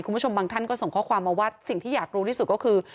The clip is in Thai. คุณผู้ชมบางท่านก็ส่งข้อความมาว่าสิ่งที่อยากรู้ที่สุดก็คือ